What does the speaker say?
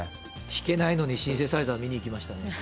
弾けないのに、シンセサイザー見に行きましたね。